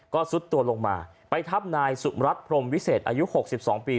ก็ซุดตัวลงมาไปทับนายสุมรัฐพรมวิเศษอายุ๖๒ปี